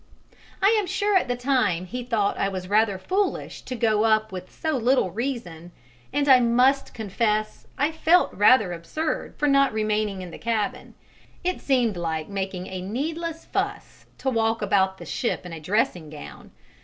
I am sure at that time he thought I was rather foolish to go up with so little reason, and I must confess I felt rather absurd for not remaining in the cabin: it seemed like making a needless fuss to walk about the ship in a dressing gown.